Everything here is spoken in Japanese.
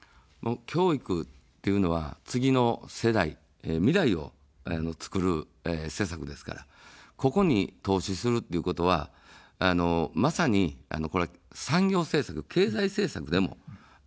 教育というのは次の世代、未来をつくる施策ですから、ここに投資するということは、まさに、産業政策、経済政策でもあるわけです。